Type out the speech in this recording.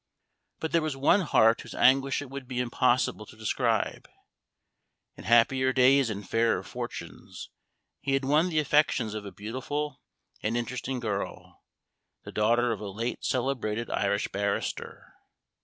But there was one heart whose anguish it would be impossible to describe. In happier days and fairer fortunes, he had won the affections of a beautiful and interesting girl, the daughter of a late celebrated Irish barrister.